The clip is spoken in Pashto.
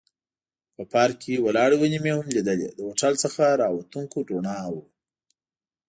په پارک کې ولاړې ونې مې هم لیدلې، د هوټل څخه را وتونکو رڼاوو.